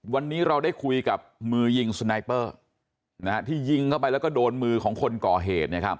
วันนี้เราได้คุยกับมือยิงสไนเปอร์ที่ยิงเข้าไปแล้วก็โดนมือของคนก่อเหตุ